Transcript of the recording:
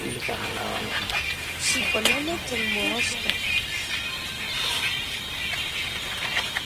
Xikonana tlen moaxka.